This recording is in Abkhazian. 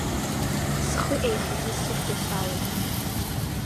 Схы еиҳагьы исыхьуа салагеит.